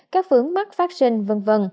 các vướng mắt phát sinh v v